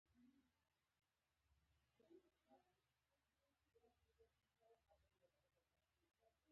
خو اصلي نوم یې شا محمد وو.